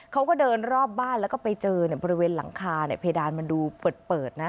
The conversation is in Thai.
เขาก็เดินรอบบ้านแล้วก็ไปเจอบริเวณหลังคาเพดานมันดูเปิดนะ